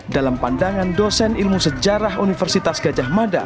dalam pandangan dosen ilmu sejarah universitas gajah mada